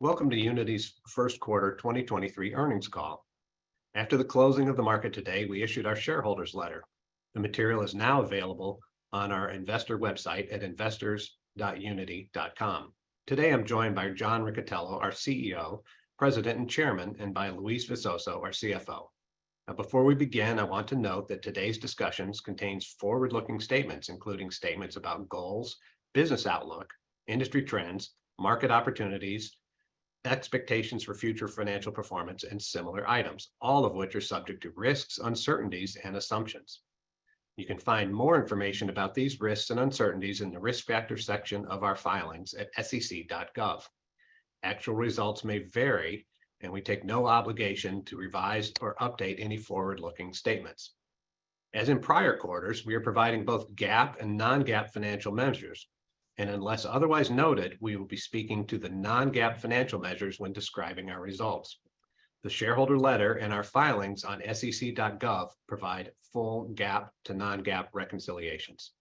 Welcome to Unity's first quarter 2023 earnings call. After the closing of the market today, we issued our shareholders letter. The material is now available on our investor website at investors.unity.com. Today, I'm joined by John Riccitiello, our CEO, President and Chairman, and by Luis Visoso, our CFO. Now, before we begin, I want to note that today's discussions contains forward-looking statements, including statements about goals, business outlook, industry trends, market opportunities, expectations for future financial performance and similar items, all of which are subject to risks, uncertainties and assumptions. You can find more information about these risks and uncertainties in the Risk Factors section of our filings at sec.gov. Actual results may vary, and we take no obligation to revise or update any forward-looking statements. As in prior quarters, we are providing both GAAP and non-GAAP financial measures. Unless otherwise noted, we will be speaking to the non-GAAP financial measures when describing our results. The shareholder letter and our filings on sec.gov provide full GAAP to non-GAAP reconciliations.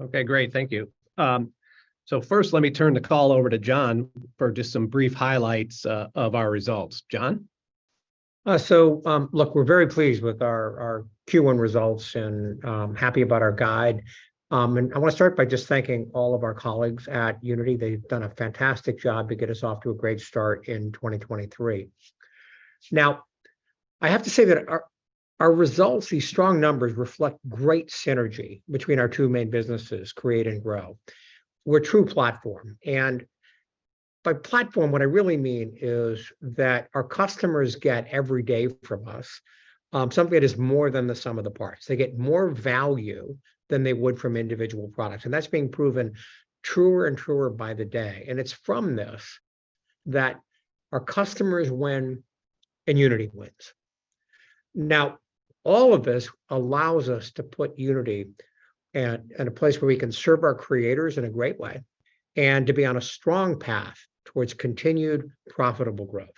Okay, great. Thank you. First let me turn the call over to John for just some brief highlights of our results. John? Look, we're very pleased with our Q1 results and happy about our guide. I wanna start by just thanking all of our colleagues at Unity. They've done a fantastic job to get us off to a great start in 2023. I have to say that our results, these strong numbers reflect great synergy between our two main businesses, Create and Grow. We're a true platform, by platform, what I really mean is that our customers get every day from us something that is more than the sum of the parts. They get more value than they would from individual products, that's being proven truer and truer by the day, it's from this that our customers win and Unity wins. All of this allows us to put Unity at a place where we can serve our creators in a great way and to be on a strong path towards continued profitable growth.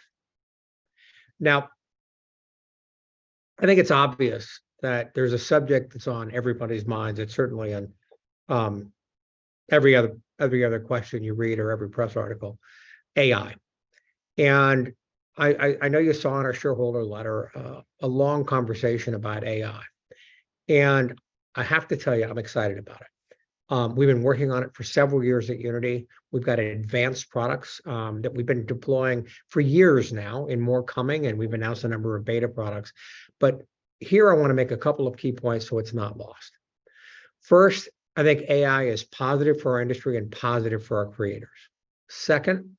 I think it's obvious that there's a subject that's on everybody's minds. It's certainly on every other question you read or every press article, AI. I know you saw in our shareholder letter a long conversation about AI. I have to tell you, I'm excited about it. We've been working on it for several years at Unity. We've got advanced products that we've been deploying for years now and more coming, and we've announced a number of beta products. Here I wanna make a couple of key points so it's not lost. First, I think AI is positive for our industry and positive for our creators. Second,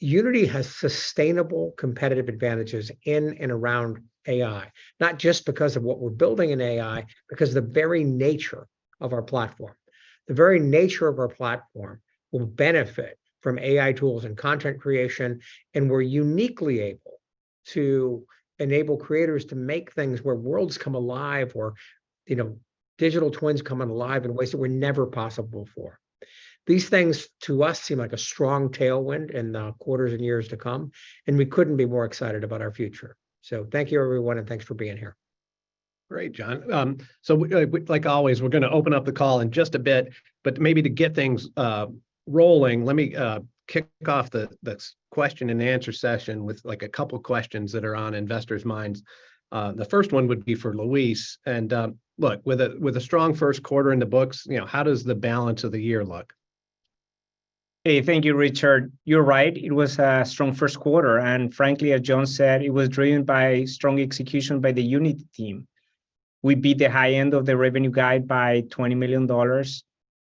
Unity has sustainable competitive advantages in and around AI, not just because of what we're building in AI, because the very nature of our platform. The very nature of our platform will benefit from AI tools and content creation, and we're uniquely able to enable creators to make things where worlds come alive or, you know, digital twins coming alive in ways that were never possible before. These things, to us, seem like a strong tailwind in the quarters and years to come, and we couldn't be more excited about our future. Thank you, everyone, and thanks for being here. Great, John. Like always, we're gonna open up the call in just a bit. Maybe to get things rolling, let me kick off the question and answer session with, like, a couple questions that are on investors' minds. The first one would be for Luis. Look, with a, with a strong first quarter in the books, you know, how does the balance of the year look? Hey. Thank you, Richard. You're right. It was a strong first quarter. Frankly, as John said, it was driven by strong execution by the Unity team. We beat the high end of the revenue guide by $20 million.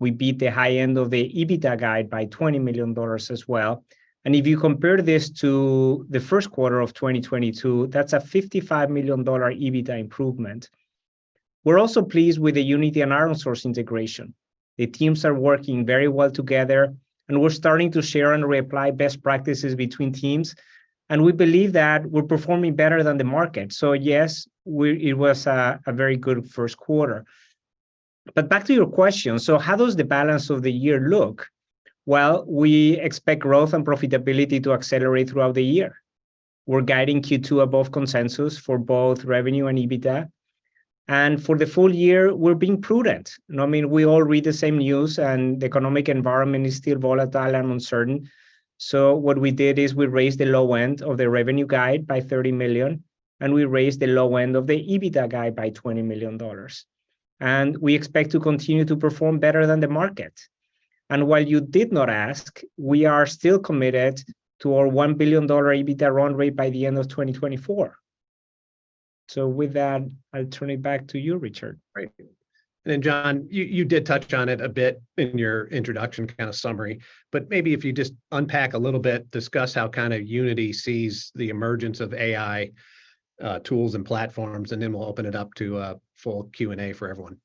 We beat the high end of the EBITDA guide by $20 million as well. If you compare this to the first quarter of 2022, that's a $55 million EBITDA improvement. We're also pleased with the Unity and ironSource integration. The teams are working very well together, and we're starting to share and reapply best practices between teams, and we believe that we're performing better than the market. Yes, it was a very good first quarter. Back to your question, how does the balance of the year look? Well, we expect growth and profitability to accelerate throughout the year. We're guiding Q2 above consensus for both revenue and EBITDA. For the full year, we're being prudent. You know, I mean, we all read the same news, and the economic environment is still volatile and uncertain. What we did is we raised the low end of the revenue guide by $30 million, and we raised the low end of the EBITDA guide by $20 million. We expect to continue to perform better than the market. While you did not ask, we are still committed to our $1 billion EBITDA run rate by the end of 2024. With that, I'll turn it back to you, Richard. Great. Then John, you did touch on it a bit in your introduction kinda summary, but maybe if you just unpack a little bit, discuss how kinda Unity sees the emergence of AI tools and platforms, and then we'll open it up to a full Q&A for everyone.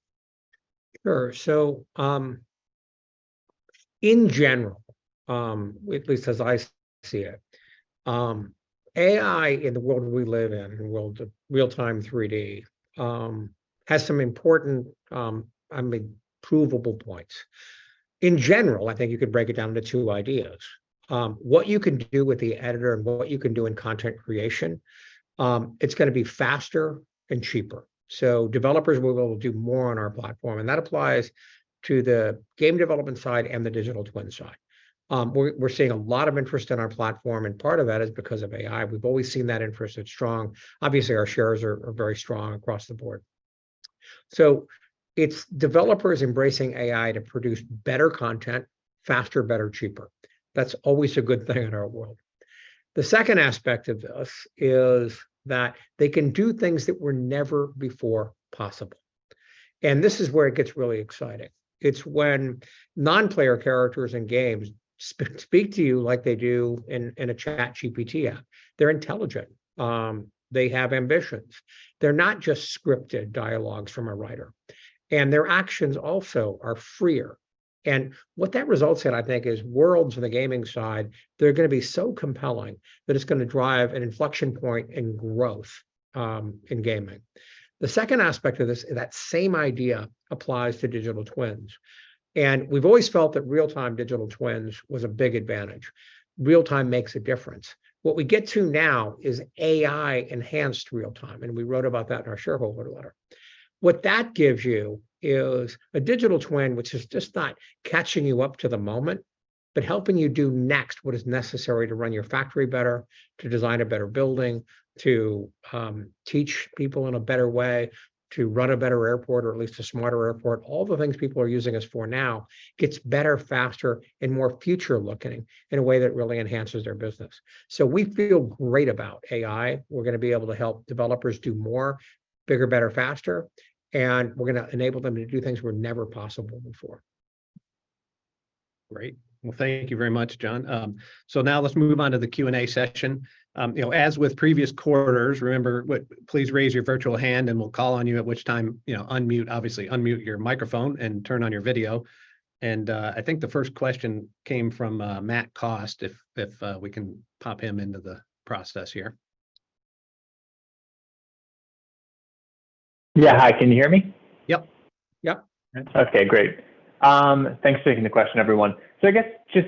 Sure. In general, at least as I see it, AI in the world we live in, the world of real-time 3D, has some important provable points. In general, I think you could break it down into two ideas. What you can do with the editor and what you can do in content creation, it's gonna be faster and cheaper. Developers will be able to do more on our platform, and that applies to the game development side and the digital twin side. We're seeing a lot of interest in our platform, and part of that is because of AI. We've always seen that interest. It's strong. Obviously, our shares are very strong across the board. It's developers embracing AI to produce better content faster, better, cheaper. That's always a good thing in our world. The second aspect of this is that they can do things that were never before possible, and this is where it gets really exciting. It's when non-player characters in games speak to you like they do in a ChatGPT app. They're intelligent. They have ambitions. They're not just scripted dialogues from a writer. Their actions also are freer, and what that results in, I think, is worlds on the gaming side that are gonna be so compelling that it's gonna drive an inflection point in growth in gaming. The second aspect of this, that same idea applies to digital twins, and we've always felt that real-time digital twins was a big advantage. Real time makes a difference. What we get to now is AI-enhanced real time, and we wrote about that in our shareholder letter. What that gives you is a digital twin which is just not catching you up to the moment, but helping you do next what is necessary to run your factory better, to design a better building, to teach people in a better way, to run a better airport or at least a smarter airport. All the things people are using us for now gets better, faster, and more future-looking in a way that really enhances their business. We feel great about AI. We're gonna be able to help developers do more, bigger, better, faster, and we're gonna enable them to do things were never possible before. Great. Well, thank you very much, John. Now let's move on to the Q&A session. You know, as with previous quarters, please raise your virtual hand, and we'll call on you, at which time, you know, unmute, obviously, unmute your microphone and turn on your video. I think the first question came from Matt Cost if we can pop him into the process here. Yeah. Hi, can you hear me? Yep. Yep. Okay, great. Thanks for taking the question, everyone. I guess just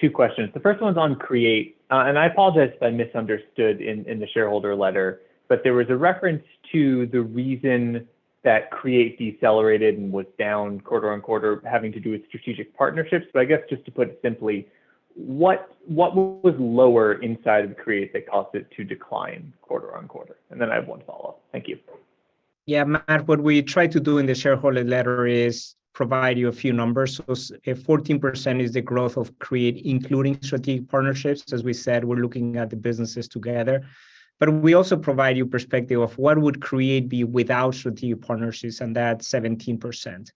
two questions. The first one's on Create. I apologize if I misunderstood in the shareholder letter, there was a reference to the reason that Create decelerated and was down quarter-on-quarter having to do with strategic partnerships. I guess just to put it simply, what was lower inside of Create that caused it to decline quarter-on-quarter? I have one follow-up. Thank you. Yeah, Matt, what we tried to do in the shareholder letter is provide you a few numbers. 14% is the growth of Create, including strategic partnerships. As we said, we're looking at the businesses together. We also provide you perspective of what would Create be without strategic partnerships, and that's 17%.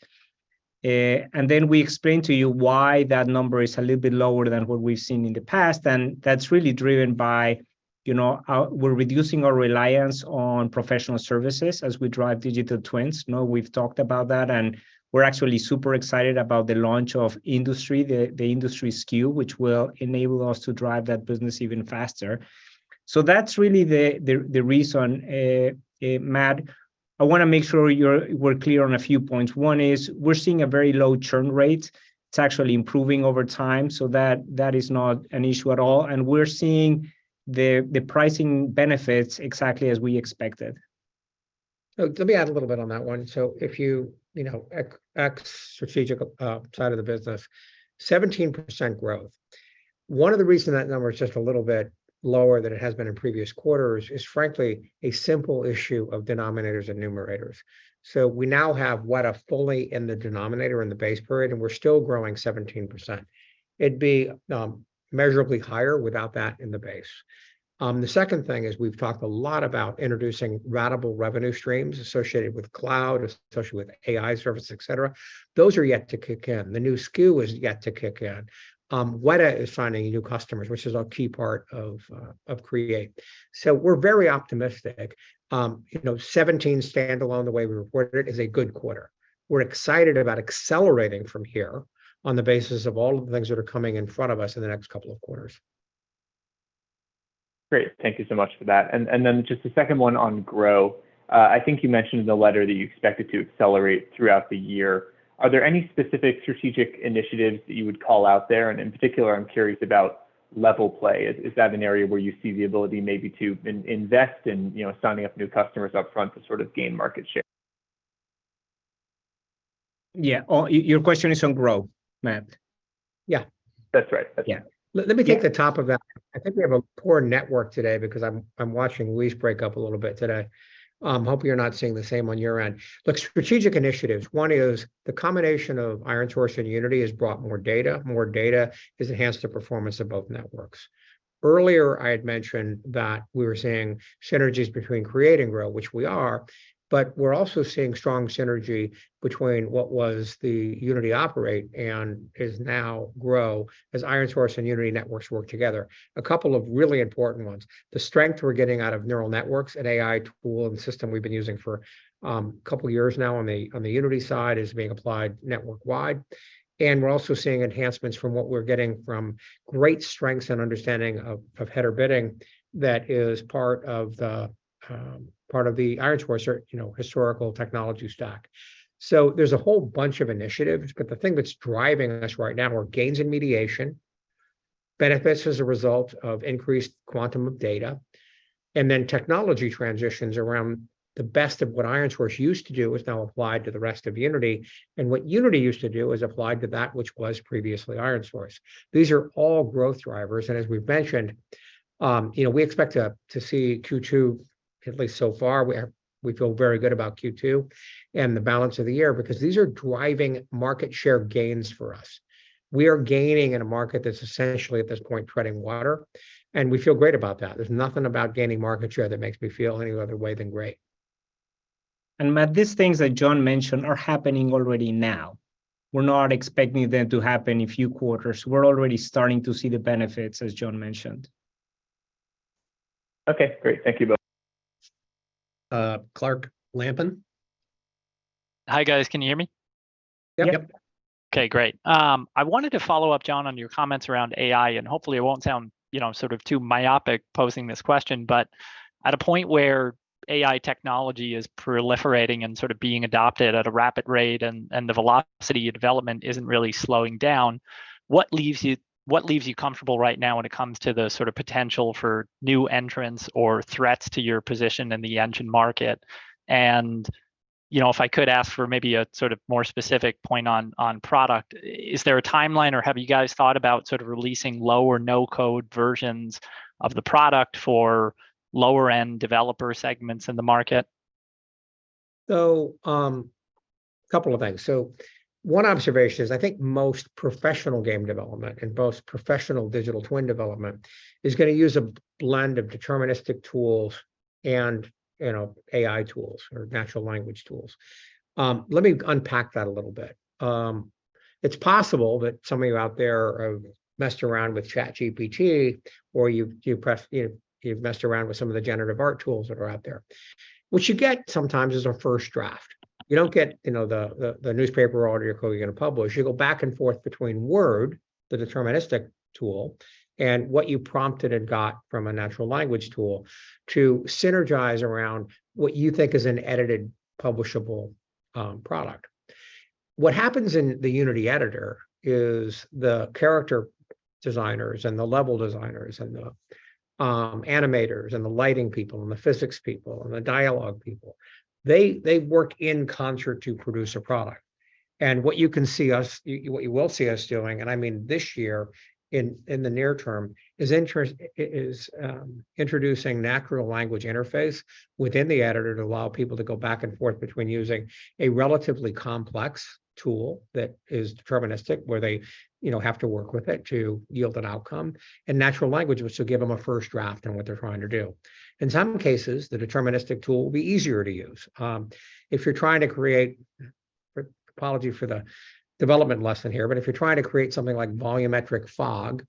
Then we explain to you why that number is a little bit lower than what we've seen in the past, and that's really driven by, you know, we're reducing our reliance on professional services as we drive digital twins. You know, we've talked about that, we're actually super excited about the launch of Industry, the Industry SKU, which will enable us to drive that business even faster. That's really the reason, Matt. I wanna make sure we're clear on a few points. One is we're seeing a very low churn rate. It's actually improving over time, so that is not an issue at all, and we're seeing the pricing benefits exactly as we expected. Let me add a little bit on that one. If you know, strategic side of the business, 17% growth. One of the reasons that number is just a little bit lower than it has been in previous quarters is frankly a simple issue of denominators and numerators. We now have Weta fully in the denominator in the base period, and we're still growing 17%. It'd be measurably higher without that in the base. The second thing is we've talked a lot about introducing ratable revenue streams associated with cloud, associated with AI services, et cetera. Those are yet to kick in. The new SKU is yet to kick in. Weta is finding new customers, which is a key part of Create. We're very optimistic. you know, 17 standalone, the way we reported it, is a good quarter. We're excited about accelerating from here on the basis of all of the things that are coming in front of us in the next 2 quarters. Great. Thank you so much for that. Just the second one on Grow. I think you mentioned in the letter that you expect it to accelerate throughout the year. Are there any specific strategic initiatives that you would call out there? In particular, I'm curious about LevelPlay. Is that an area where you see the ability maybe to invest in, you know, signing up new customers up front to sort of gain market share? Yeah. Oh, your question is on Grow, Matt? Yeah. That's right. That's right. Yeah. Let me take the top of that. I think we have a poor network today because I'm watching Luis break up a little bit today. Hope you're not seeing the same on your end. Look, strategic initiatives, one is the combination of ironSource and Unity has brought more data. More data has enhanced the performance of both networks. Earlier, I had mentioned that we were seeing synergies between Create and Grow, which we are, but we're also seeing strong synergy between what was the Unity Operate and is now Grow as ironSource and Unity networks work together. A couple of really important ones, the strength we're getting out of neural networks, an AI tool and system we've been using for a couple years now on the Unity side is being applied network-wide. We're also seeing enhancements from what we're getting from great strengths and understanding of header bidding that is part of the IronSource, you know, historical technology stack. There's a whole bunch of initiatives, but the thing that's driving us right now are gains in mediation benefits as a result of increased quantum of data. Then technology transitions around the best of what IronSource used to do is now applied to the rest of Unity, and what Unity used to do is applied to that which was previously IronSource. These are all growth drivers, and as we've mentioned, you know, we expect to see Q2, at least so far we feel very good about Q2 and the balance of the year, because these are driving market share gains for us. We are gaining in a market that's essentially, at this point, treading water, and we feel great about that. There's nothing about gaining market share that makes me feel any other way than great. Matt, these things that John mentioned are happening already now. We're not expecting them to happen in a few quarters. We're already starting to see the benefits, as John mentioned. Okay. Great. Thank you both. Clark Lampen. Hi, guys. Can you hear me? Yep. Yep. Okay, great. I wanted to follow up, John, on your comments around AI, and hopefully it won't sound, you know, sort of too myopic posing this question. At a point where AI technology is proliferating and sort of being adopted at a rapid rate and the velocity of development isn't really slowing down, what leaves you comfortable right now when it comes to the sort of potential for new entrants or threats to your position in the engine market? You know, if I could ask for maybe a sort of more specific point on product. Is there a timeline or have you guys thought about sort of releasing low or no-code versions of the product for lower-end developer segments in the market? Couple of things. One observation is I think most professional game development and most professional digital twin development is gonna use a blend of deterministic tools and, you know, AI tools or natural language tools. Let me unpack that a little bit. It's possible that some of you out there have messed around with ChatGPT or you press, you know, you've messed around with some of the generative art tools that are out there. What you get sometimes is a first draft. You don't get, you know, the newspaper article you're gonna publish. You go back and forth between Word, the deterministic tool, and what you prompted and got from a natural language tool to synergize around what you think is an edited publishable product. What happens in the Unity Editor is the character designers and the level designers and the animators and the lighting people and the physics people and the dialogue people, they work in concert to produce a product. What you will see us doing, and I mean this year in the near term, is introducing natural language interface within the editor to allow people to go back and forth between using a relatively complex tool that is deterministic, where they, you know, have to work with it to yield an outcome, and natural language, which will give them a first draft on what they're trying to do. In some cases, the deterministic tool will be easier to use. If you're trying to create, apology for the development lesson here, but if you're trying to create something like volumetric fog,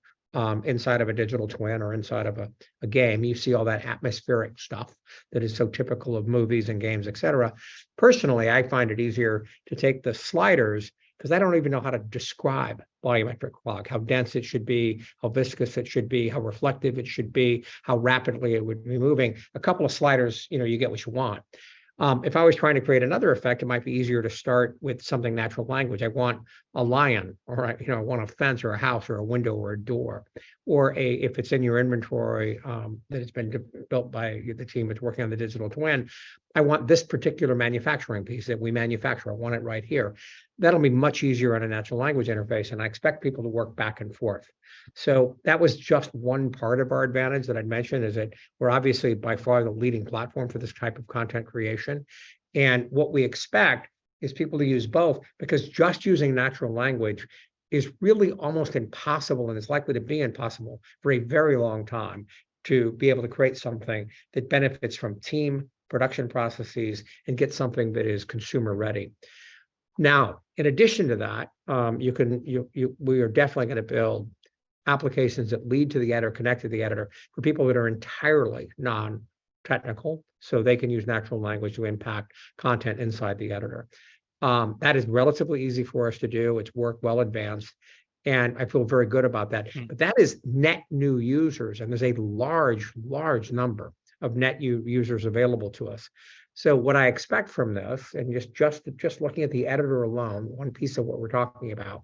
inside of a digital twin or inside of a game, you see all that atmospheric stuff that is so typical of movies and games, et cetera. Personally, I find it easier to take the sliders, 'cause I don't even know how to describe volumetric fog, how dense it should be, how viscous it should be, how reflective it should be, how rapidly it would be moving. A couple of sliders, you know, you get what you want. If I was trying to create another effect, it might be easier to start with something natural language. "I want a lion," or, you know, "I want a fence," or a house or a window or a door. If it's in your inventory, that it's been built by the team that's working on the digital twin, "I want this particular manufacturing piece that we manufacture. I want it right here." That'll be much easier on a natural language interface, and I expect people to work back and forth. That was just one part of our advantage that I'd mention is that we're obviously by far the leading platform for this type of content creation, and what we expect is people to use both. Just using natural language is really almost impossible, and it's likely to be impossible for a very long time, to be able to create something that benefits from team production processes and get something that is consumer ready. In addition to that, you can, we are definitely gonna build applications that lead to the Editor, connect to the Editor for people that are entirely non-technical, so they can use natural language to impact content inside the Editor. That is relatively easy for us to do. It's work well advanced, and I feel very good about that. That is net new users, and there's a large number of net users available to us. What I expect from this, and just looking at the Editor alone, one piece of what we're talking about,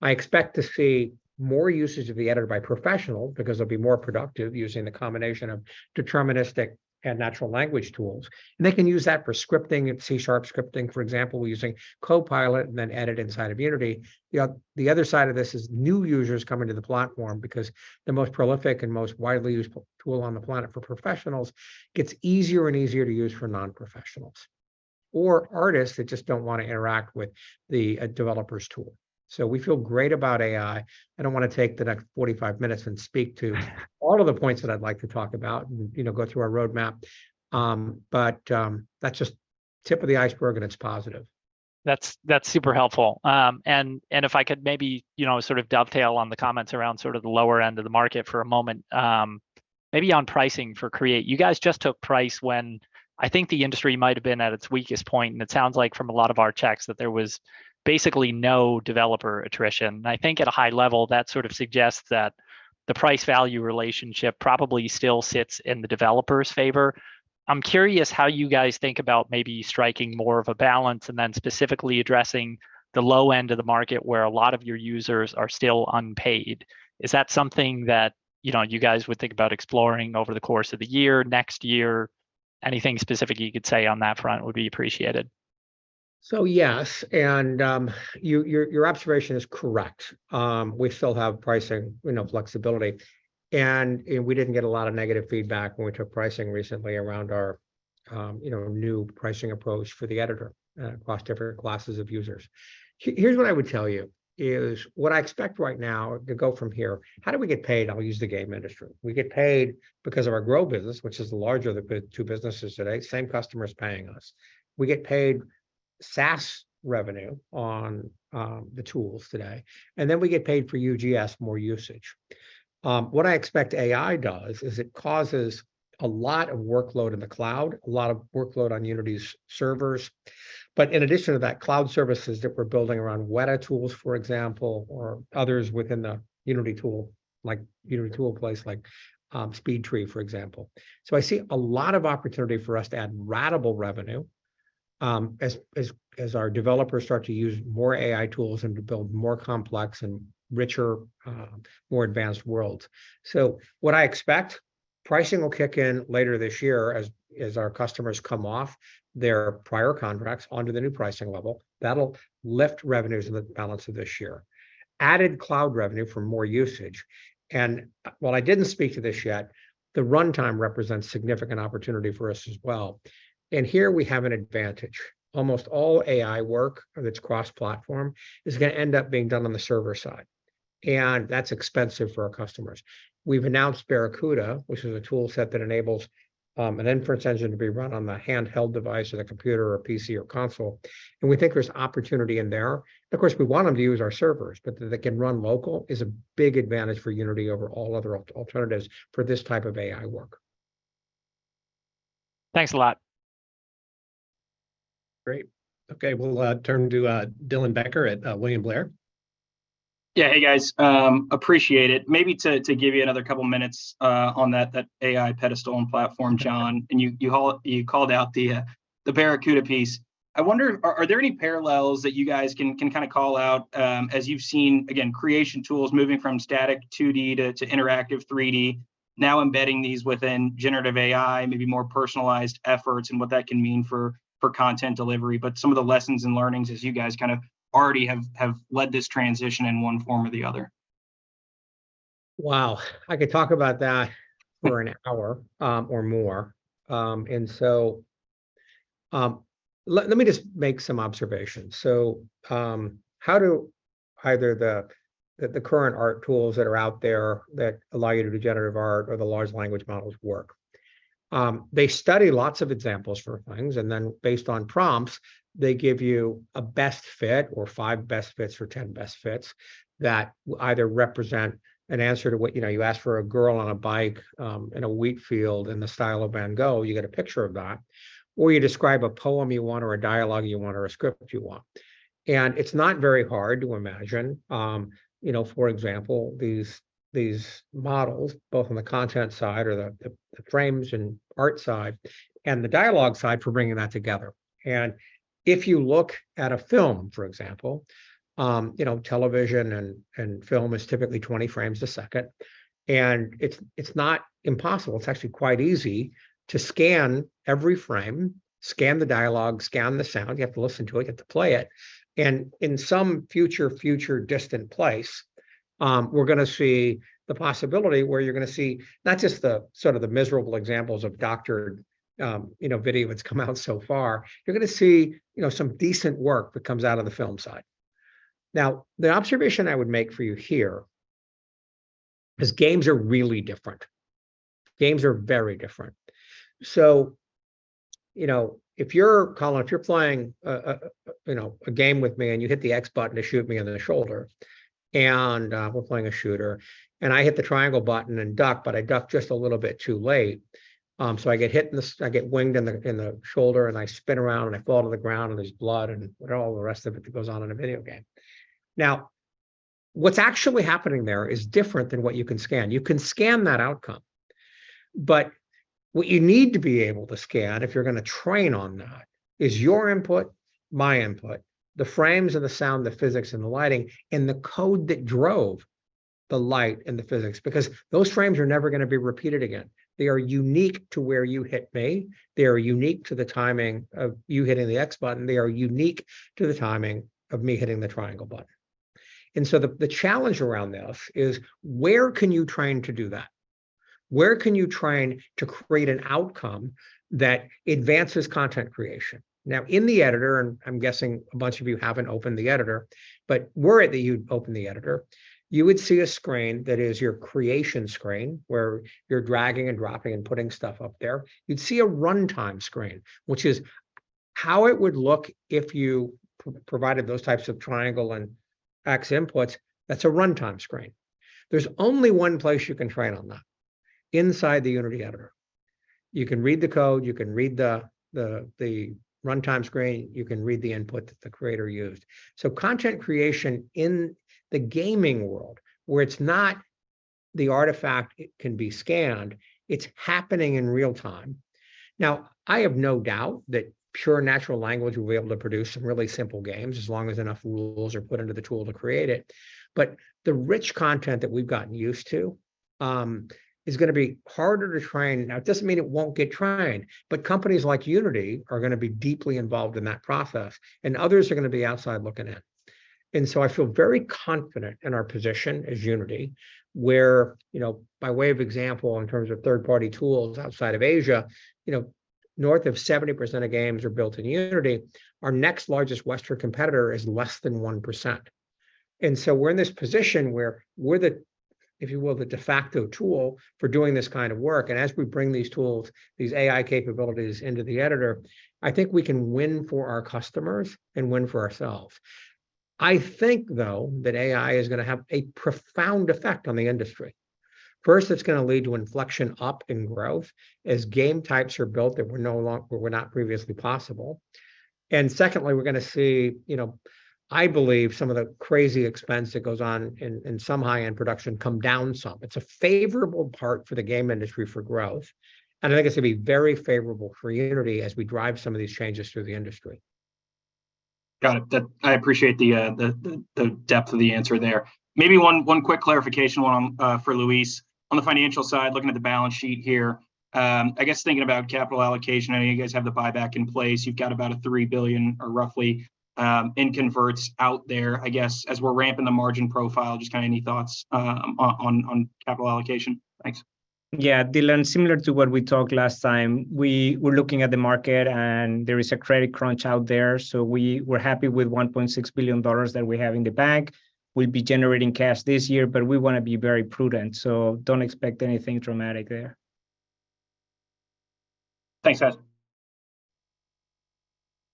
I expect to see more usage of the Editor by professionals, because they'll be more productive using the combination of deterministic and natural language tools. They can use that for scripting, C# scripting, for example, using Copilot and then edit inside of Unity. The other side of this is new users coming to the platform, because the most prolific and most widely useful tool on the planet for professionals gets easier and easier to use for non-professionals or artists that just don't wanna interact with the developer's tool. We feel great about AI. I don't wanna take the next 45 minutes and speak to all of the points that I'd like to talk about and, you know, go through our roadmap. That's just tip of the iceberg, and it's positive. That's super helpful. If I could maybe, you know, sort of dovetail on the comments around the lower end of the market for a moment, maybe on pricing for Create. You guys just took price when I think the industry might have been at its weakest point, and it sounds like from a lot of our checks that there was basically no developer attrition. I think at a high level, that sort of suggests that the price-value relationship probably still sits in the developer's favor. I'm curious how you guys think about maybe striking more of a balance and then specifically addressing the low end of the market where a lot of your users are still unpaid. Is that something that, you know, you guys would think about exploring over the course of the year, next year? Anything specific you could say on that front would be appreciated. Yes, your observation is correct. We still have pricing, you know, flexibility. And we didn't get a lot of negative feedback when we took pricing recently around our, you know, new pricing approach for the editor across different classes of users. Here's what I would tell you is what I expect right now to go from here, how do we get paid? I'll use the game industry. We get paid because of our Grow business, which is the larger of the 2 businesses today, same customer is paying us. We get paid SaaS revenue on the tools today, we get paid for UGS, more usage. What I expect AI does is it causes a lot of workload in the cloud, a lot of workload on Unity's servers. In addition to that, cloud services that we're building around Weta tools, for example, or others within the Unity tool, like Unity Toolplace, like SpeedTree, for example. I see a lot of opportunity for us to add ratable revenue as our developers start to use more AI tools and to build more complex and richer, more advanced worlds. What I expect, pricing will kick in later this year as our customers come off their prior contracts onto the new pricing level. That'll lift revenues in the balance of this year. Added cloud revenue for more usage. While I didn't speak to this yet, the runtime represents significant opportunity for us as well. Here we have an advantage. Almost all AI work that's cross-platform is gonna end up being done on the server side, and that's expensive for our customers. We've announced Barracuda, which is a tool set that enables, an inference engine to be run on the handheld device or the computer or PC or console. We think there's opportunity in there. Of course, we want them to use our servers. That they can run local is a big advantage for Unity over all other alternatives for this type of AI work. Thanks a lot. Great. Okay, we'll turn to Dylan Becker at William Blair. Yeah. Hey, guys, appreciate it. Maybe to give you another couple minutes on that AI pedestal and platform, John, and you called out the Barracuda piece. I wonder, are there any parallels that you guys can kinda call out as you've seen, again, creation tools moving from static 2D to interactive 3D, now embedding these within generative AI, maybe more personalized efforts and what that can mean for content delivery, but some of the lessons and learnings as you guys kind of already have led this transition in one form or the other? Wow, I could talk about that for an hour, or more. Let me just make some observations. How do either the current art tools that are out there that allow you to do generative art or the large language models work? They study lots of examples for things, and then based on prompts, they give you a best fit or five best fits or 10 best fits that either represent an answer to what... You know, you ask for a girl on a bike in a wheat field in the style of Van Gogh, you get a picture of that. You describe a poem you want or a dialogue you want or a script you want. It's not very hard to imagine, you know, for example, these models, both on the content side or the, the frames and art side and the dialogue side for bringing that together. If you look at a film, for example, you know, television and film is typically 20 frames a second, and it's not impossible, it's actually quite easy to scan every frame, scan the dialogue, scan the sound, you have to listen to it, you have to play it. In some future distant place, we're gonna see the possibility where you're gonna see not just the sort of the miserable examples of doctored, you know, video that's come out so far. You're gonna see, you know, some decent work that comes out of the film side. The observation I would make for you here is games are really different. Games are very different. You know, if you're, Colin, if you're playing, you know, a game with me and you hit the X button to shoot me in the shoulder, we're playing a shooter, and I hit the triangle button and duck, but I duck just a little bit too late, I get winged in the shoulder, and I spin around, and I fall to the ground, and there's blood and all the rest of it that goes on in a video game. What's actually happening there is different than what you can scan. You can scan that outcome, but what you need to be able to scan if you're gonna train on that is your input, my input, the frames and the sound, the physics and the lighting, and the code that drove the light and the physics, because those frames are never gonna be repeated again. They are unique to where you hit me. They are unique to the timing of you hitting the X button. They are unique to the timing of me hitting the triangle button. The challenge around this is where can you train to do that? Where can you train to create an outcome that advances content creation? In the editor, I'm guessing a bunch of you haven't opened the editor, but were you to open the editor, you would see a screen that is your creation screen, where you're dragging and dropping and putting stuff up there. You'd see a runtime screen, which is how it would look if you provided those types of triangle and X inputs. That's a runtime screen. There's only one place you can train on that, inside the Unity Editor. You can read the code, you can read the runtime screen, you can read the input that the creator used. Content creation in the gaming world, where it's not the artifact can be scanned, it's happening in real time. I have no doubt that pure natural language will be able to produce some really simple games, as long as enough rules are put into the tool to create it. The rich content that we've gotten used to, is going to be harder to train. It doesn't mean it won't get trained, but companies like Unity are going to be deeply involved in that process, and others are going to be outside looking in. I feel very confident in our position as Unity, where, you know, by way of example, in terms of third-party tools outside of Asia, you know, north of 70% of games are built in Unity. Our next largest Western competitor is less than 1%. We're in this position where we're the, if you will, the de facto tool for doing this kind of work. As we bring these tools, these AI capabilities into the editor, I think we can win for our customers and win for ourselves. I think, though, that AI is going to have a profound effect on the industry. First, it's going to lead to inflection up in growth as game types are built that were not previously possible. Secondly, we're going to see, you know, I believe some of the crazy expense that goes on in some high-end production come down some. It's a favorable part for the game industry for growth, and I think it's going to be very favorable for Unity as we drive some of these changes through the industry. Got it. That I appreciate the depth of the answer there. Maybe one quick clarification one for Luis. On the financial side, looking at the balance sheet here, I guess thinking about capital allocation, I know you guys have the buyback in place. You've got about a $3 billion or roughly in converts out there. I guess, as we're ramping the margin profile, just kinda any thoughts on capital allocation? Thanks. Dylan, similar to what we talked last time, we were looking at the market. There is a credit crunch out there. We were happy with $1.6 billion that we have in the bank. We'll be generating cash this year. We wanna be very prudent. Don't expect anything dramatic there. Thanks, guys.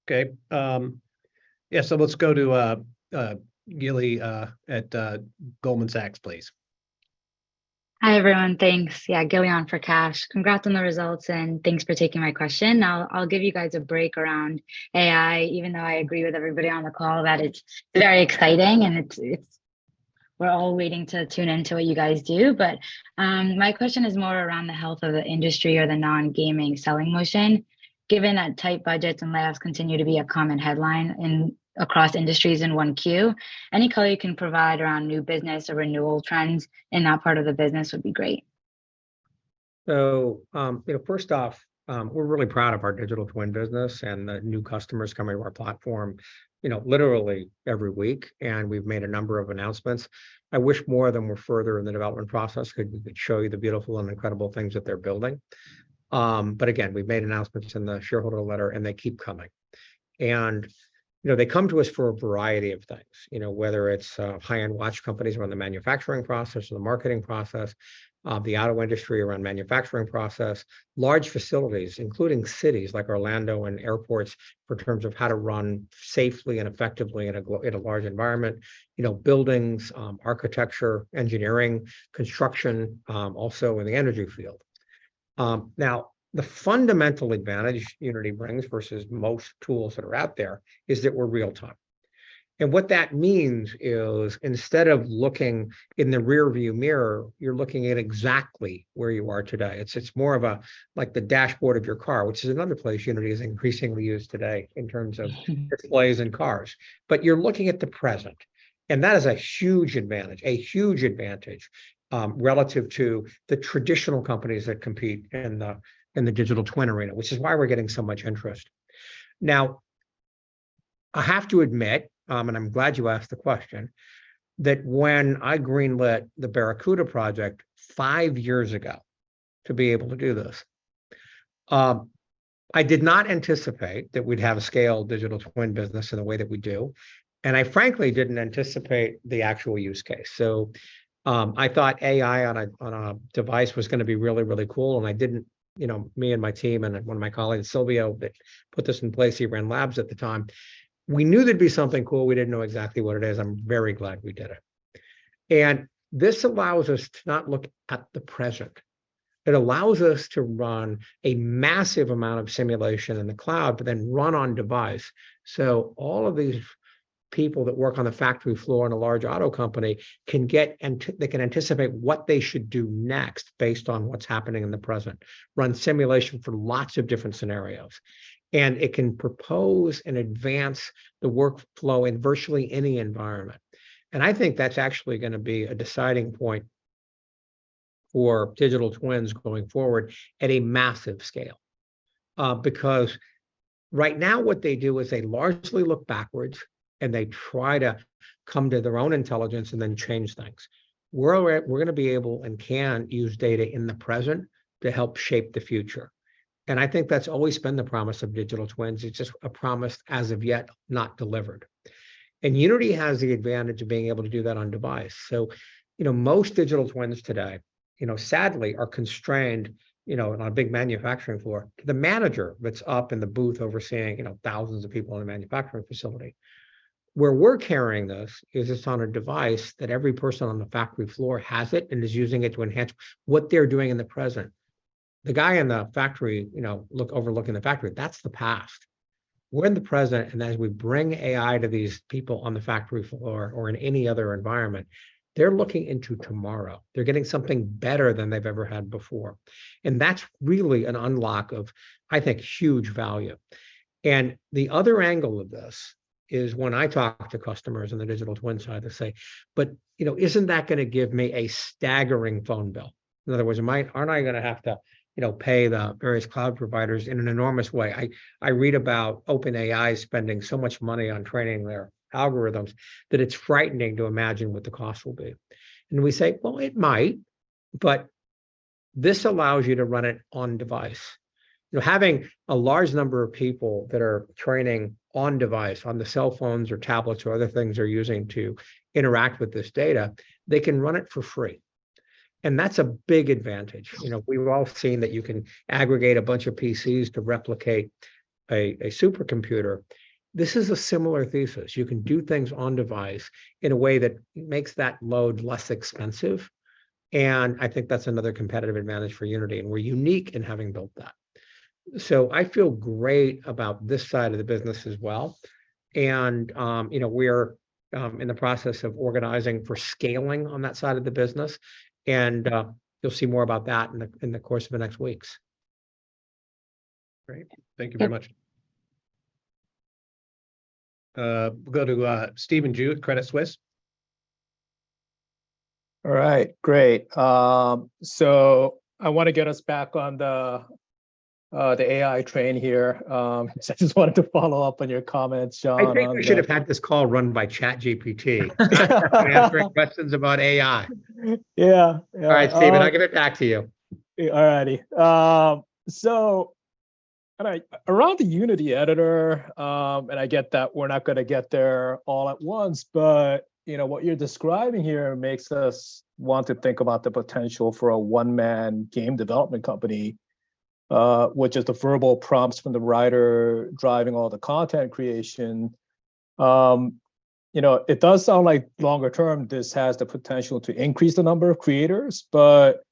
Okay. Yeah. Let's go to Gili at Goldman Sachs, please. Hi, everyone. Thanks. Yeah, Gili Naftalovich. Congrats on the results, thanks for taking my question. I'll give you guys a break around AI, even though I agree with everybody on the call that it's very exciting and it's we're all waiting to tune into what you guys do. My question is more around the health of the industry or the non-gaming selling motion. Given that tight budgets and layoffs continue to be a common headline across industries in 1Q, any color you can provide around new business or renewal trends in that part of the business would be great. You know, first off, we're really proud of our digital twin business and the new customers coming to our platform, you know, literally every week, and we've made a number of announcements. I wish more of them were further in the development process, 'cause we could show you the beautiful and incredible things that they're building. Again, we've made announcements in the shareholder letter, and they keep coming. You know, they come to us for a variety of things. You know, whether it's high-end watch companies around the manufacturing process or the marketing process, the auto industry around manufacturing process, large facilities, including cities like Orlando and airports, for terms of how to run safely and effectively in a large environment. You know, buildings, architecture, engineering, construction, also in the energy field. Now, the fundamental advantage Unity brings versus most tools that are out there is that we're real-time. What that means is, instead of looking in the rearview mirror, you're looking at exactly where you are today. It's more of a like the dashboard of your car, which is another place Unity is increasingly used today in terms of displays in cars. You're looking at the present, and that is a huge advantage. A huge advantage, relative to the traditional companies that compete in the digital twin arena, which is why we're getting so much interest. I have to admit, and I'm glad you asked the question, that when I greenlit the Barracuda project five years ago to be able to do this, I did not anticipate that we'd have a scale digital twin business in the way that we do, and I frankly didn't anticipate the actual use case. I thought AI on a, on a device was gonna be really, really cool, and I didn't. You know, me and my team and one of my colleagues, Silvio, that put this in place, he ran labs at the time, we knew there'd be something cool. We didn't know exactly what it is. I'm very glad we did it. This allows us to not look at the present. It allows us to run a massive amount of simulation in the cloud, but then run on device. All of these people that work on the factory floor in a large auto company can anticipate what they should do next based on what's happening in the present, run simulation for lots of different scenarios. It can propose and advance the workflow in virtually any environment. I think that's actually gonna be a deciding point for digital twins going forward at a massive scale. Because right now what they do is they largely look backwards, and they try to come to their own intelligence and then change things. We're gonna be able and can use data in the present to help shape the future. I think that's always been the promise of digital twins. It's just a promise as of yet not delivered. Unity has the advantage of being able to do that on device. You know, most digital twins today, you know, sadly, are constrained, you know, on a big manufacturing floor. The manager that's up in the booth overseeing, you know, thousands of people in a manufacturing facility. Where we're carrying this is it's on a device that every person on the factory floor has it and is using it to enhance what they're doing in the present. The guy in the factory, you know, overlooking the factory, that's the past. We're in the present, and as we bring AI to these people on the factory floor or in any other environment, they're looking into tomorrow. They're getting something better than they've ever had before. That's really an unlock of, I think, huge value. The other angle of this is when I talk to customers on the digital twin side, they say, "You know, isn't that gonna give me a staggering phone bill?" In other words, aren't I gonna have to, you know, pay the various cloud providers in an enormous way? I read about OpenAI spending so much money on training their algorithms that it's frightening to imagine what the cost will be. We say, "Well, it might, but this allows you to run it on device." You know, having a large number of people that are training on device, on the cell phones or tablets or other things they're using to interact with this data, they can run it for free, and that's a big advantage. You know, we've all seen that you can aggregate a bunch of PCs to replicate a supercomputer. This is a similar thesis. You can do things on device in a way that makes that load less expensive, and I think that's another competitive advantage for Unity, and we're unique in having built that. I feel great about this side of the business as well, and, you know, we're in the process of organizing for scaling on that side of the business, you'll see more about that in the course of the next weeks. Great. Thank you very much. Yeah. We'll go to Stephen Ju at Credit Suisse. All right, great. I wanna get us back on the AI train here. I just wanted to follow up on your comments, John. I think we should have had this call run by ChatGPT for answering questions about AI. Yeah. Yeah. All right, Stephen, I'll give it back to you. All right, around the Unity Editor, I get that we're not gonna get there all at once, but, you know, what you're describing here makes us want to think about the potential for a one-man game development company, with just the verbal prompts from the writer driving all the content creation. You know, it does sound like longer term this has the potential to increase the number of creators, but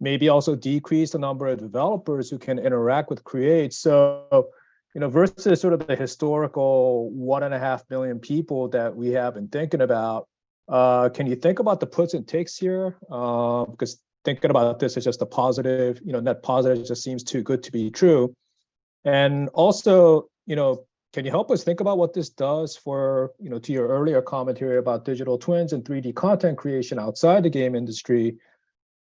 maybe also decrease the number of developers who can interact with Create. You know, versus sort of the historical 1.5 billion people that we have been thinking about, can you think about the puts and takes here? Thinking about this as just a positive, you know, net positive just seems too good to be true. Also, you know, can you help us think about what this does for, you know, to your earlier commentary about digital twins and 3D content creation outside the game industry.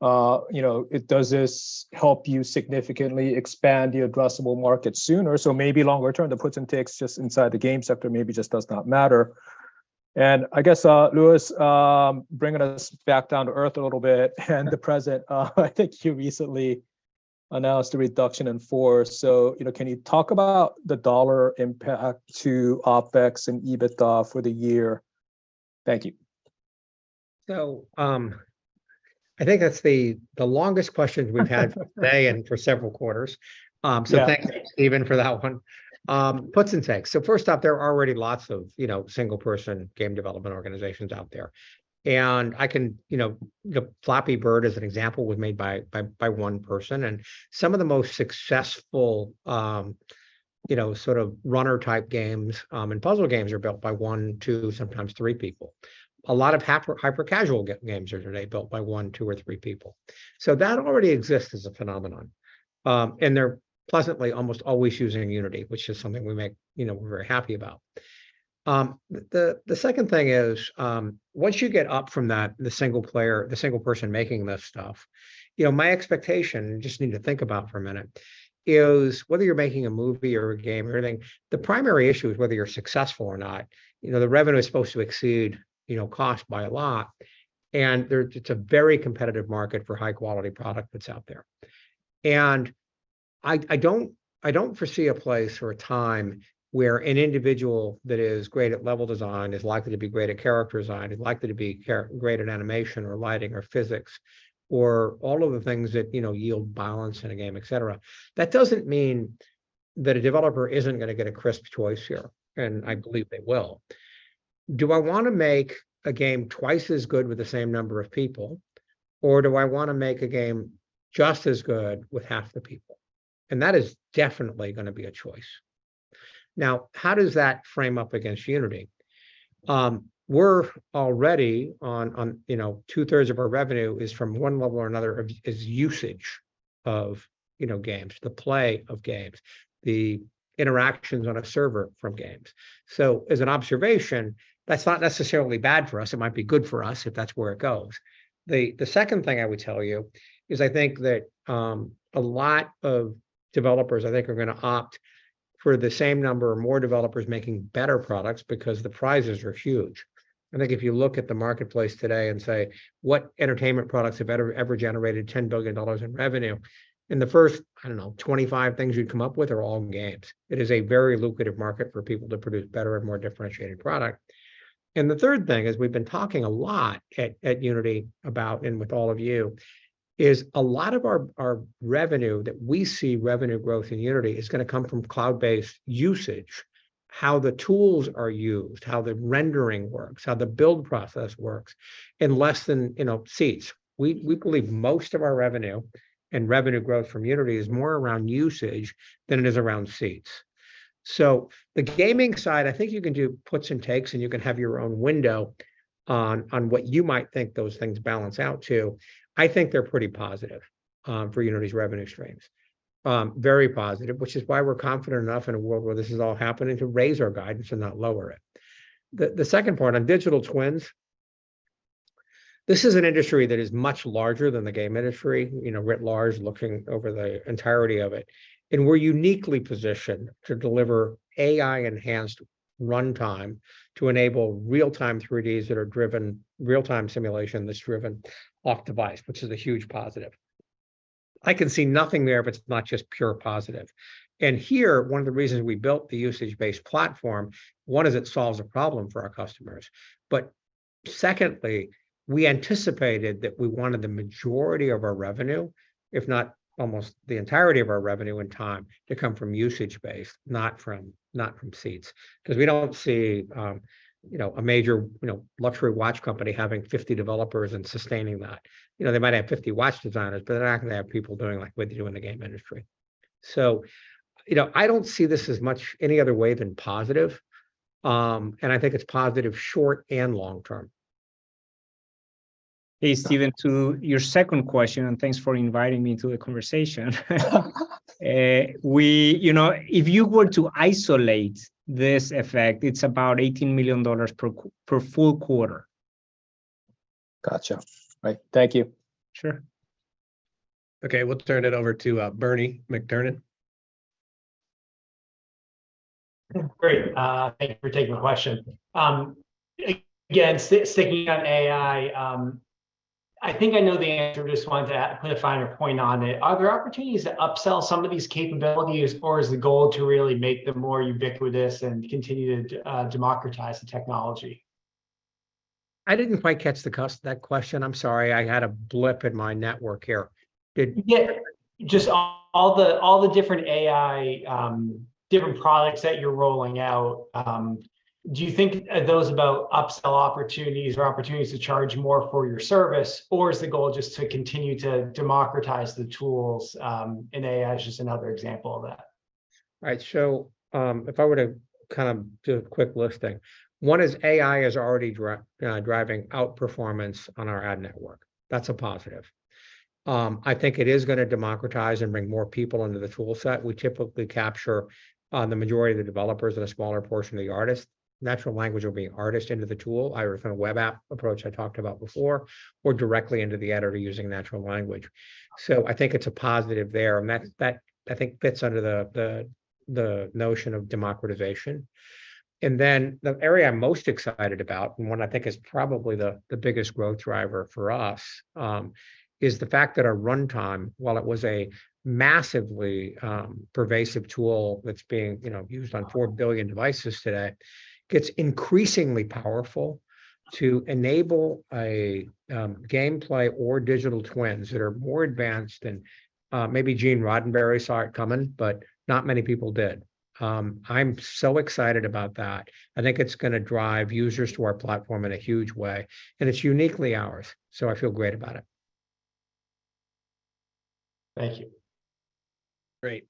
You know, does this help you significantly expand the addressable market sooner? Maybe longer term, the puts and takes just inside the game sector maybe just does not matter. I guess, Luis, bringing us back down to earth a little bit. Sure... and the present, I think you recently announced a reduction in force, so, you know, can you talk about the dollar impact to OpEx and EBITDA for the year? Thank you. I think that's the longest question we've had. For several quarters. Yeah Stephen, for that one. Puts and takes. First up, there are already lots of, you know, single-person game development organizations out there. You know, the Flappy Bird as an example, was made by 1 person, and some of the most successful, you know, sort of runner-type games, and puzzle games are built by 1, 2, sometimes 3 people. A lot of hyper-casual games are today built by 1, 2, or 3 people. That already exists as a phenomenon. They're pleasantly almost always using Unity, which is something we make, you know, we're very happy about. The second thing is, once you get up from that, the single player, the single person making this stuff, my expectation, and you just need to think about it for a minute, is whether you're making a movie or a game or anything, the primary issue is whether you're successful or not. The revenue is supposed to exceed cost by a lot, and there, it's a very competitive market for high-quality product that's out there. I don't foresee a place or a time where an individual that is great at level design is likely to be great at character design, is likely to be great at animation or lighting or physics, or all of the things that yield balance in a game, et cetera. That doesn't mean that a developer isn't gonna get a crisp choice here. I believe they will. Do I wanna make a game twice as good with the same number of people, or do I wanna make a game just as good with half the people? That is definitely gonna be a choice. How does that frame up against Unity? We're already on, you know, 2/3 of our revenue is from one level or another of usage of, you know, games, the play of games, the interactions on a server from games. As an observation, that's not necessarily bad for us. It might be good for us if that's where it goes. The second thing I would tell you is I think that a lot of developers, I think, are gonna opt for the same number or more developers making better products because the prizes are huge. I think if you look at the marketplace today and say what entertainment products have ever generated $10 billion in revenue. In the first, I don't know, 25 things you'd come up with are all games. It is a very lucrative market for people to produce better and more differentiated product. The third thing is we've been talking a lot at Unity about, and with all of you, is a lot of our revenue that we see revenue growth in Unity is gonna come from cloud-based usage, how the tools are used, how the rendering works, how the build process works, and less than, you know, seats. We believe most of our revenue and revenue growth from Unity is more around usage than it is around seats. The gaming side, I think you can do puts and takes, and you can have your own window on what you might think those things balance out to. I think they're pretty positive for Unity's revenue streams. Very positive, which is why we're confident enough in a world where this is all happening to raise our guidance and not lower it. The second part, on digital twins, this is an industry that is much larger than the game industry, you know, writ large, looking over the entirety of it, and we're uniquely positioned to deliver AI-enhanced runtime to enable real-time 3Ds that are driven, real-time simulation that's driven off device, which is a huge positive. I can see nothing there if it's not just pure positive. Here, one of the reasons we built the usage-based platform, one is it solves a problem for our customers. Secondly, we anticipated that we wanted the majority of our revenue, if not almost the entirety of our revenue in time, to come from usage-based, not from seats. 'Cause we don't see, you know, a major, you know, luxury watch company having 50 developers and sustaining that. You know, they might have 50 watch designers, but they're not gonna have people doing like what they do in the game industry. You know, I don't see this as much, any other way than positive. I think it's positive short and long term. Hey, Stephen, to your second question, and thanks for inviting me to the conversation. We, you know, if you were to isolate this effect, it's about $18 million per full quarter. Gotcha. Right. Thank you. Sure. Okay, let's turn it over to Bernie McTernan. Great. Thank you for taking my question. Again, sticking on AI, I think I know the answer, just wanted to clarify your point on it. Are there opportunities to upsell some of these capabilities, or is the goal to really make them more ubiquitous and continue to democratize the technology? I didn't quite catch that question. I'm sorry, I had a blip in my network here. Just all the different AI, different products that you're rolling out, do you think those about upsell opportunities or opportunities to charge more for your service, or is the goal just to continue to democratize the tools, and AI is just another example of that? If I were to kind of do a quick listing, one is AI is already driving outperformance on our ad network. That's a positive. I think it is gonna democratize and bring more people into the tool set. We typically capture the majority of the developers and a smaller portion of the artists. Natural language will be artist into the tool, either from a web app approach I talked about before or directly into the editor using natural language. I think it's a positive there, and that I think fits under the notion of democratization. Then the area I'm most excited about, one I think is probably the biggest growth driver for us, is the fact that our runtime, while it was a massively pervasive tool that's being, you know, used on 4 billion devices today, gets increasingly powerful to enable a gameplay or digital twins that are more advanced and maybe Gene Roddenberry saw it coming, but not many people did. I'm so excited about that. I think it's gonna drive users to our platform in a huge way, and it's uniquely ours, so I feel great about it. Thank you. Great.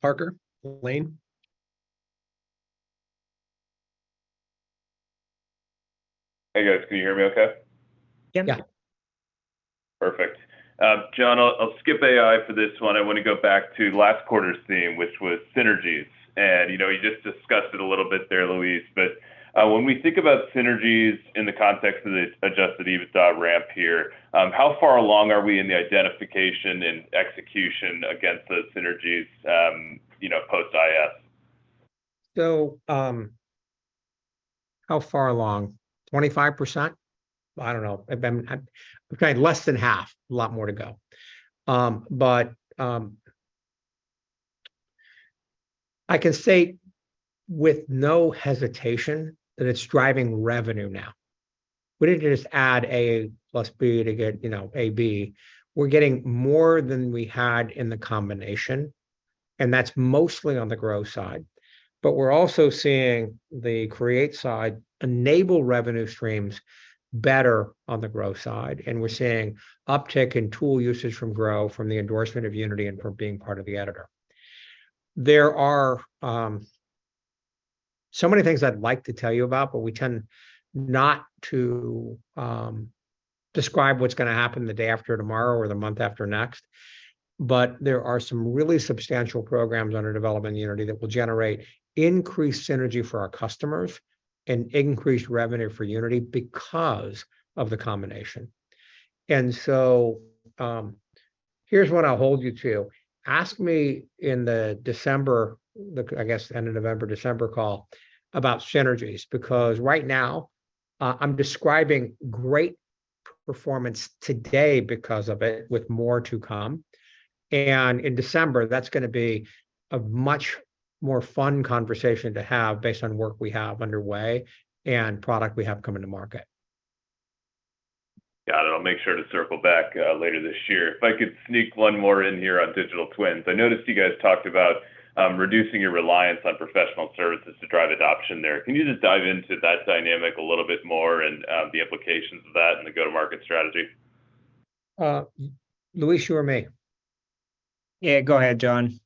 Parker Lane. Hey, guys. Can you hear me okay? Yeah. Yeah. Perfect. John, I'll skip AI for this one. I wanna go back to last quarter's theme, which was synergies. You know, you just discussed it a little bit there, Luis. When we think about synergies in the context of the adjusted EBITDA ramp here, how far along are we in the identification and execution against the synergies, you know, post-IS? How far along? 25%. I don't know. Okay, less than half. A lot more to go. I can say with no hesitation that it's driving revenue now. We didn't just add A plus B to get, you know, AB. We're getting more than we had in the combination, and that's mostly on the Grow side. We're also seeing the Create side enable revenue streams better on the Grow side, and we're seeing uptick in tool usage from Grow from the endorsement of Unity and from being part of the Editor. There are so many things I'd like to tell you about, but we tend not to describe what's gonna happen the day after tomorrow or the month after next. There are some really substantial programs under development in Unity that will generate increased synergy for our customers and increased revenue for Unity because of the combination. Here's what I'll hold you to. Ask me in the December, I guess end of November, December call about synergies, because right now, I'm describing great performance today because of it with more to come. In December, that's gonna be a much more fun conversation to have based on work we have underway and product we have coming to market. Got it. I'll make sure to circle back later this year. If I could sneak one more in here on digital twins. I noticed you guys talked about reducing your reliance on professional services to drive adoption there. Can you just dive into that dynamic a little bit more and the implications of that and the go-to-market strategy? Luis, you or me? Yeah, go ahead, John.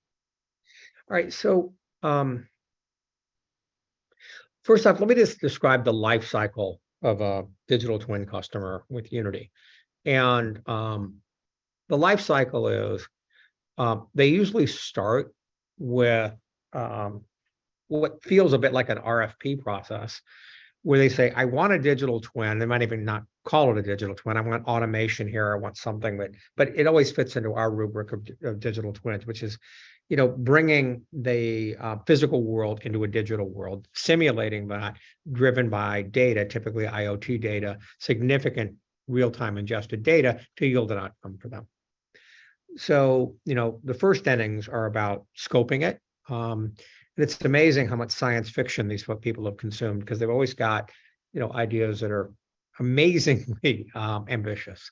All right. First off, let me just describe the life cycle of a digital twin customer with Unity. The life cycle is, they usually start with what feels a bit like an RFP process, where they say, "I want a digital twin." They might even not call it a digital twin. "I want automation here. I want something that..." It always fits into our rubric of digital twins, which is, you know, bringing the physical world into a digital world, simulating that, driven by data, typically IoT data, significant real-time adjusted data, to yield an outcome for them. You know, the first innings are about scoping it. It's amazing how much science fiction these people have consumed, 'cause they've always got, you know, ideas that are amazingly ambitious.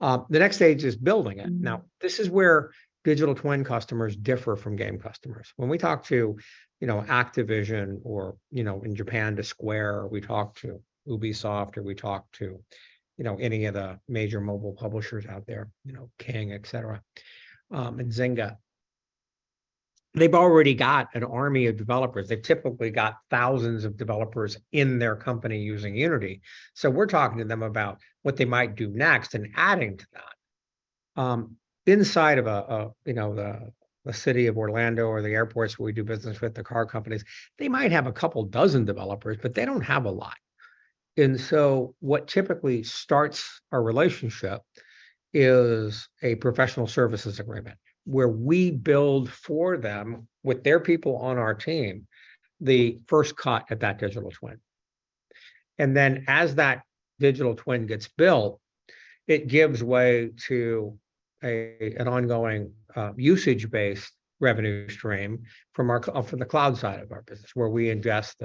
The next stage is building it. This is where digital twin customers differ from game customers. When we talk to, you know, Activision or, you know, in Japan, to Square, or we talk to Ubisoft, or we talk to, you know, any of the major mobile publishers out there, you know, King, et cetera, and Zynga, they've already got an army of developers. They've typically got thousands of developers in their company using Unity. We're talking to them about what they might do next and adding to that. Inside of you know, the city of Orlando or the airports where we do business with, the car companies, they might have a couple dozen developers, but they don't have a lot. What typically starts our relationship is a professional services agreement, where we build for them, with their people on our team, the first cut at that digital twin. As that digital twin gets built, it gives way to an ongoing, usage-based revenue stream from the cloud side of our business, where we ingest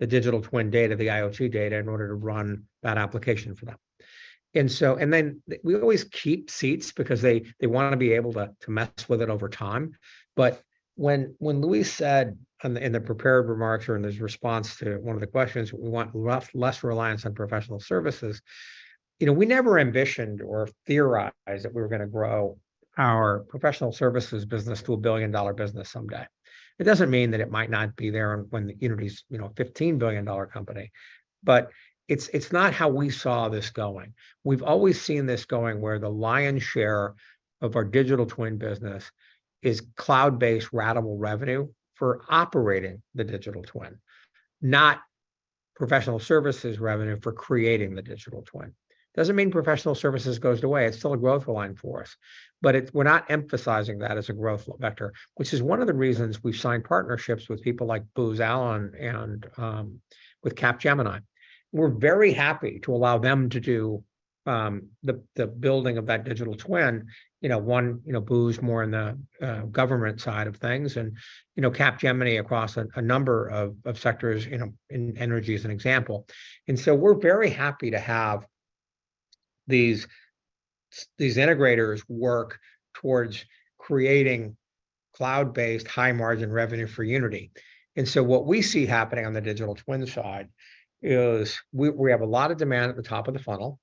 the digital twin data, the IoT data, in order to run that application for them. We always keep seats because they wanna be able to mess with it over time. When Luis said in the prepared remarks or in his response to 1 of the questions, "We want less reliance on professional services," you know, we never ambitioned or theorized that we were gonna grow our professional services business to a billion-dollar business someday. It doesn't mean that it might not be there when Unity's, you know, a $15 billion company, but it's not how we saw this going. We've always seen this going where the lion's share of our digital twin business is cloud-based ratable revenue for operating the digital twin, not professional services revenue for creating the digital twin. Doesn't mean professional services goes away. It's still a growth line for us, but we're not emphasizing that as a growth vector, which is one of the reasons we've signed partnerships with people like Booz Allen and with Capgemini. We're very happy to allow them to do the building of that digital twin. You know, one, you know, Booz more in the government side of things, and, you know, Capgemini across a number of sectors. You know, energy is an example. We're very happy to have these integrators work towards creating cloud-based high-margin revenue for Unity. What we see happening on the digital twin side is we have a lot of demand at the top of the funnel,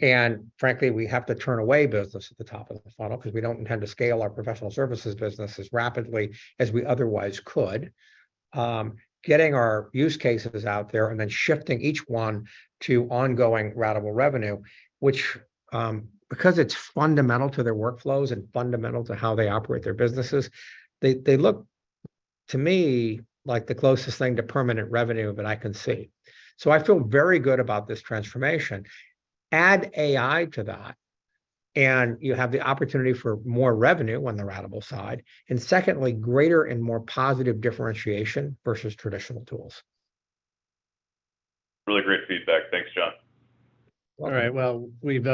and frankly, we have to turn away business at the top of the funnel, 'cause we don't intend to scale our professional services business as rapidly as we otherwise could. Getting our use cases out there and then shifting each one to ongoing ratable revenue, which, because it's fundamental to their workflows and fundamental to how they operate their businesses, they look, to me, like the closest thing to permanent revenue that I can see. I feel very good about this transformation. Add AI to that, and you have the opportunity for more revenue on the ratable side, and secondly, greater and more positive differentiation versus traditional tools. Really great feedback. Thanks, John. All right. Well, we've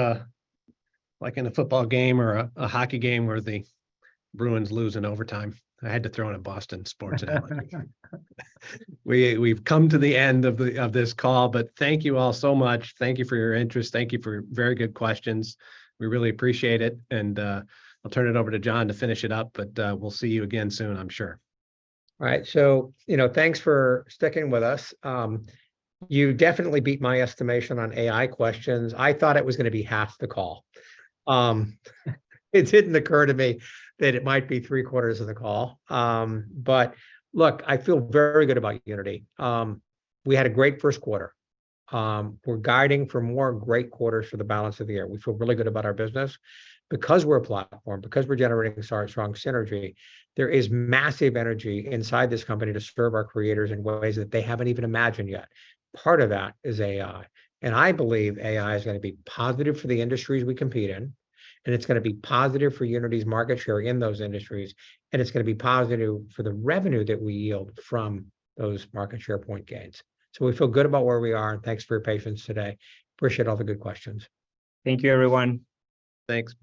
like in a football game or a hockey game where the Bruins lose in overtime, I had to throw in a Boston sports analogy. We've come to the end of this call. Thank you all so much. Thank you for your interest. Thank you for your very good questions. We really appreciate it. I'll turn it over to John to finish it up. We'll see you again soon, I'm sure. All right. you know, thanks for sticking with us. you definitely beat my estimation on AI questions. I thought it was gonna be half the call. it didn't occur to me that it might be three-quarters of the call. look, I feel very good about Unity. we had a great first quarter. we're guiding for more great quarters for the balance of the year. We feel really good about our business. Because we're a platform, because we're generating such strong synergy, there is massive energy inside this company to serve our creators in ways that they haven't even imagined yet. Part of that is AI, and I believe AI is gonna be positive for the industries we compete in, and it's gonna be positive for Unity's market share in those industries, and it's gonna be positive for the revenue that we yield from those market share point gains. We feel good about where we are, and thanks for your patience today. Appreciate all the good questions. Thank you, everyone. Thanks.